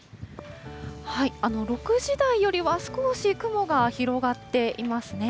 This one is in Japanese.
６時台よりは少し雲が広がっていますね。